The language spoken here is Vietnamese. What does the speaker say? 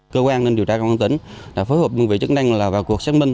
cơ quan an ninh điều tra công an tỉnh đã phối hợp đơn vị chức năng là vào cuộc xác minh